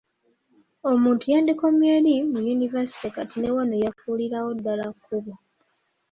Omuntu ey’andikomye eri mu yunivasite kati ne wano yafuulirawo ddala kkubo.